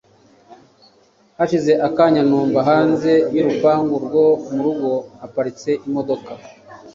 hashize akanya numva hanze yurupangu rwo murugo haparitse imodoka